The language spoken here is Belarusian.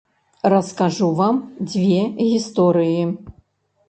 Раскажу вам дзве гісторыі.